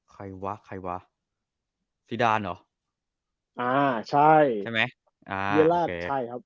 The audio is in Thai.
ใครวะใครวะซีดานเหรออ่าใช่ใช่ไหมอ่าเยราชใช่ครับ